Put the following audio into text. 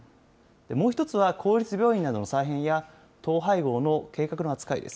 もう１つは、公立病院などの再編や、統廃合の計画の扱いです。